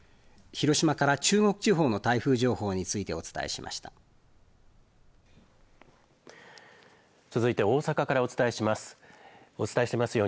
広島から中国地方の台風情報についてお伝えしました。